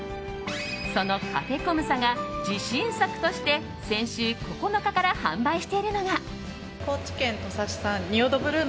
そのカフェコムサが自信作として先週９日から販売しているのが。